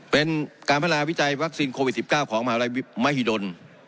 เป็นการพัฒนาวิจัยวัคซีนโควิด๑๙ของมหาลัยมหิดล